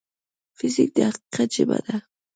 فزیک د حقیقت ژبه ده.